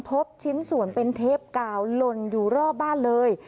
พบชิ้นส่วนเป็นเทปกาวหล่นอยู่รอบบ้านเลย